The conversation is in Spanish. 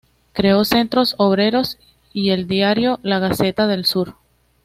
Creó centros obreros y el diario "La Gaceta del Sur".